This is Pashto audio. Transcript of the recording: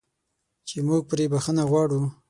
چې موږ پرې بخښنه غواړو.